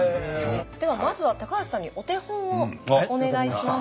ではまずは高橋さんにお手本をお願いします。